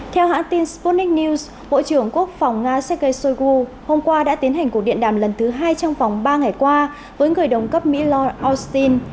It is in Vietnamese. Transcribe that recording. theo hãng tin sputnik news bộ trưởng quốc phòng nga sergei shoigu hôm qua đã tiến hành cuộc điện đàm lần thứ hai trong vòng ba ngày qua với người đồng cấp mỹ lloyd austin